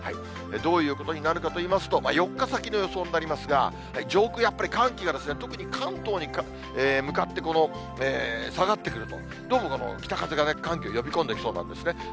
どういうことになるのかといいますと、４日先の予想になりますが、上空、やっぱり寒気が特に関東に向かって下がってくると、どうもこの北風が寒気を呼び込んできそうなんですね。